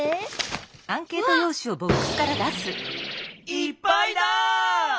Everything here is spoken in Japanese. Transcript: いっぱいだ！